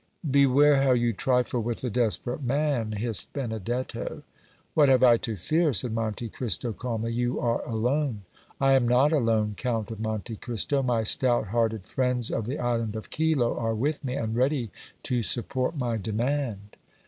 "Beware how you trifle with a desperate man!" hissed Benedetto. "What have I to fear?" said Monte Cristo, calmly. "You are alone." "I am not alone, Count of Monte Cristo; my stout hearted friends of the Island of Kylo are with me, and ready to support my demand!"